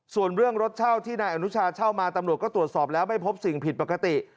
ส่วนเรื่องรถเช่าที่นายอนุชาเช่ามาตำรวจก็ตรวจสอบแล้วไม่พบสิ่งผิดปกติ